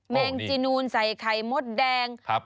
แมงจีนูนใส่ไข่มดแดง